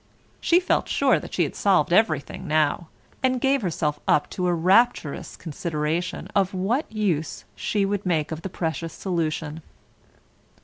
She felt sure that she had solved everything now, and gave herself up to a rapturous consideration of what use she would make of the precious solution.